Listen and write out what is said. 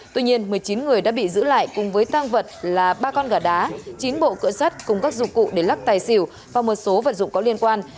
tuy nhiên một mươi chín người đã bị giữ lại cùng với tăng vật là ba con gà đá chín bộ cựa sắt cùng các dụng cụ để lắc tài xỉu và một số vật dụng có liên quan